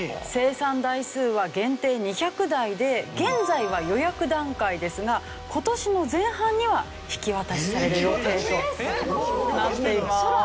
生産台数は限定２００台で現在は予約段階ですが今年の前半には引き渡しされる予定となっています。